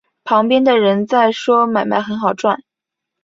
旁边的人在说买卖很好赚